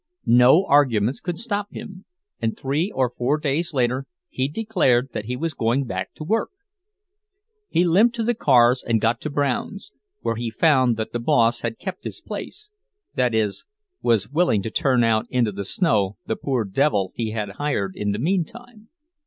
No arguments could stop him, and three or four days later he declared that he was going back to work. He limped to the cars and got to Brown's, where he found that the boss had kept his place—that is, was willing to turn out into the snow the poor devil he had hired in the meantime.